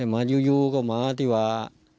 มายูก็มาที่ว่า